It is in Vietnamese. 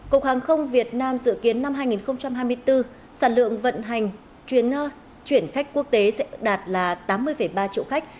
cục hàng không việt nam dự kiến năm hai nghìn hai mươi bốn sản lượng vận hành chuyển khách quốc tế sẽ đạt là tám mươi ba triệu khách